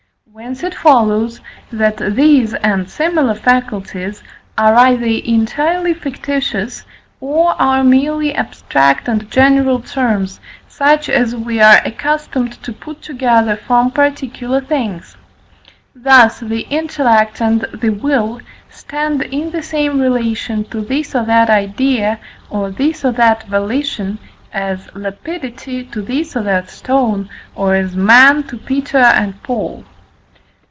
Whence it follows, that these and similar faculties are either entirely fictitious, or are merely abstract and general terms, such as we are accustomed to put together from particular things. Thus the intellect and the will stand in the same relation to this or that idea, or this or that volition, as "lapidity" to this or that stone, or as "man" to Peter and Paul.